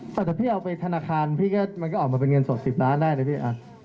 แต่ถ้าพี่เอาไปธนาคารพี่มันก็ออกมาเป็นเงินสด๑๐ล้านได้เลยพี่